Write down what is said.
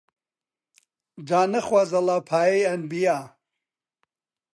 جا نەخوازەڵا پایەی ئەنبیا